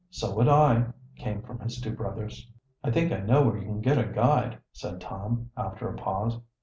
"So would I," came from his two brothers. "I think I know where you can get a guide," said Tom, after a pause.